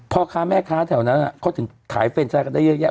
พ่อค้าแม่ค้าแถวนั้นเขาถึงขายเฟรนชายกันได้เยอะแยะ